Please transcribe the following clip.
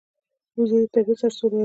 وزې د طبیعت سره سوله لري